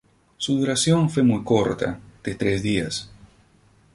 Su duración fue muy corta, de tres días.